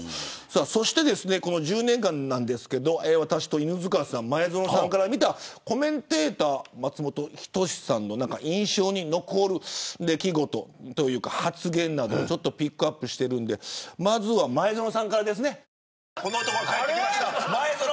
この１０年間ですが私と犬塚さん、前園さんから見たコメンテーター、松本人志さんの印象に残る出来事というか発言などピックアップしているんでまずは前園さんからです。